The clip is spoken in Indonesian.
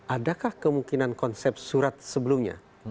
adakah kemungkinan konsep surat sebelumnya